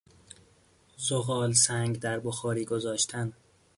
زغالسنگ در بخاری گذاشتن